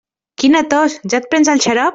Quina tos, ja et prens el xarop?